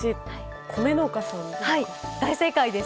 大正解です。